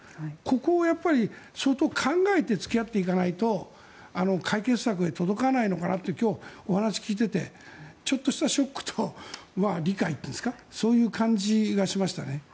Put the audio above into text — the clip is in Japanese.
ここは相当考えて付き合っていかないと解決策に届かないのかなと今日、お話を聞いていてちょっとしたショックと理解というんですかそういう感じがしましたね。